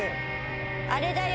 あれだよ。